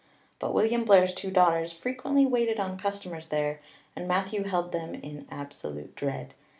But William Blair's two daughters frequently waited on customers there and Matthew held them in absolute dread.